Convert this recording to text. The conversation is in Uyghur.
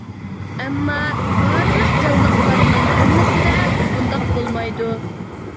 ئەمما، بارلىق جانلىقلارنىڭ ھەممىسىدە بۇنداق بولمايدۇ.